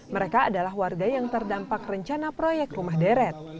mereka adalah warga yang terdampak rencana proyek rumah deret